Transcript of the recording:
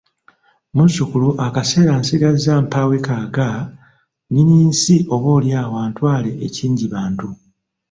Muzzukulu akaseera nsigazizza mpawekaaga Nnyininsi oboolyawo antwale ekingi bantu!"